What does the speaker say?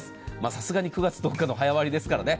さすがに９月１０日の早割りですからね。